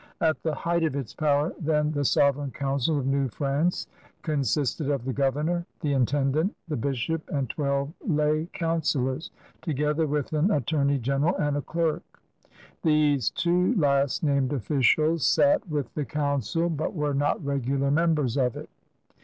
At the height of its power, then, the Sovereign Council of New France consisted of the governor, the intendant, the bishop, and twelve lay councilors, together with an attorney general and a derk. These two last named officials sat with the Council but were not regular members of it.